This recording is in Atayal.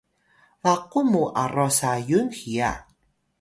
baqun mu arwa Sayun hiya